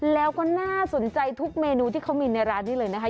แล้วก็น่าสนใจทุกเมนูที่เขามีในร้านนี้เลยนะคะ